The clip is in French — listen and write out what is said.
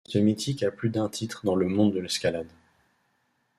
Ce film reste mythique à plus d'un titre dans le monde de l'escalade.